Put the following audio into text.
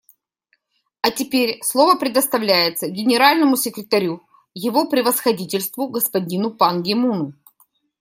А теперь слово предоставляется Генеральному секретарю Его Превосходительству господину Пан Ги Муну.